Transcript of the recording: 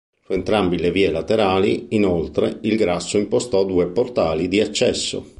Su entrambe le vie laterali, inoltre, il Gasse impostò due portali di accesso.